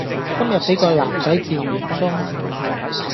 今日俾個男仔趙完鬆